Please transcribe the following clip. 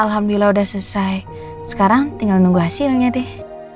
alhamdulillah udah selesai sekarang tinggal nunggu hasilnya deh